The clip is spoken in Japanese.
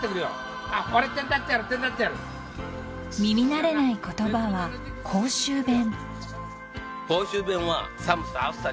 ［耳慣れない言葉は甲州弁］